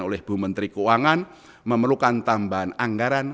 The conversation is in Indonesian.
oleh bu menteri keuangan memerlukan tambahan anggaran